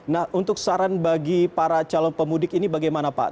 nah untuk saran bagi para calon pemudik ini bagaimana pak